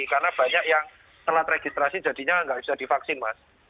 karena banyak yang telah registrasi jadinya nggak bisa divaksin mas